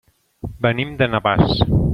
Venim de Navàs.